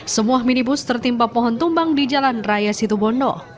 semua minibus tertimpa pohon tumbang di jalan raya situbondo